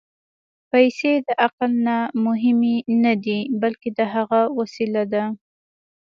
پېسې د عقل نه مهمې نه دي، بلکې د هغه وسیله ده.